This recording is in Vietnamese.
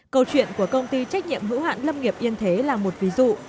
câu chuyện của công ty trách nhiệm hữu hạn lâm nghiệp yên thế là một ví dụ